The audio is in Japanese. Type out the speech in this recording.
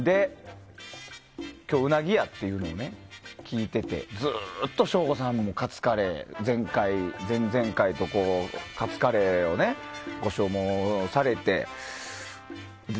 今日、ウナギやっていうのを聞いててずっと省吾さんも前回、前々回カツカレーをね、ご所望されて。